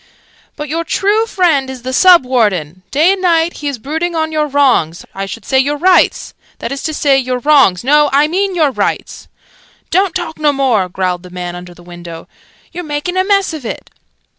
"But your true friend is the Sub Warden! Day and night he is brooding on your wrongs I should say your rights that is to say your wrongs no, I mean your rights " ("Don't talk no more!" growled the man under the window. "You're making a mess of it!")